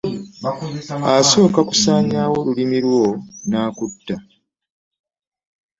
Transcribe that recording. Asooka kusaanyaawo lulimi lwo n'akutta.